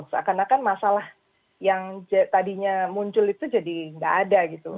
seakan akan masalah yang tadinya muncul itu jadi nggak ada gitu